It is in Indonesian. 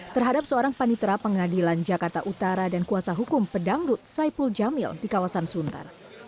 terhadap seorang panitera pengadilan jakarta utara dan kuasa hukum pedangdut saipul jamil di kawasan suntan